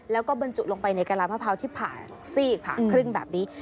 แล้วก็บรรจุลงไปในกระลามะพร้าวที่ผ่าซีกผ่าครึ่งแบบนี้